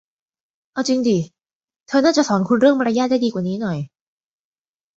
เอาจริงดิ เธอน่าจะสอนคุณเรื่องมารยาทได้ดีกว่านี้หน่อย